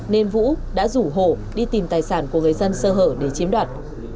nên vũ đã rủ hộ đi tìm tài sản của người dân sơ hở để chiếm đoạt